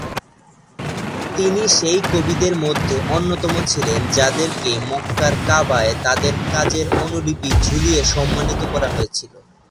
তিনি সেই কবিদের মধ্যে অন্যতম ছিলেন যাদেরকে মক্কার কাবায় তাদের কাজের অনুলিপি ঝুলিয়ে সম্মানিত করা হয়েছিল।